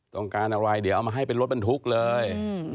ต้องการอะไรเดี๋ยวเอามาให้เป็นรถบรรทุกเลย